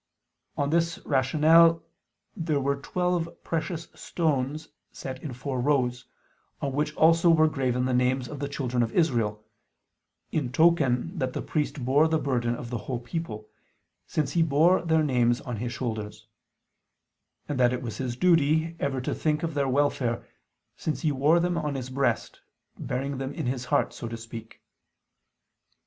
On this rational there were twelve precious stones set in four rows, on which also were graven the names of the children of Israel, in token that the priest bore the burden of the whole people, since he bore their names on his shoulders; and that it was his duty ever to think of their welfare, since he wore them on his breast, bearing them in his heart, so to speak.